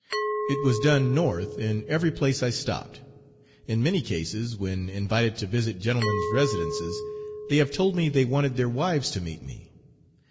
It was done North in every place I stopped. In many cases, when invited to visit gentlemen's residences, they have told me they wanted their wives to meet me.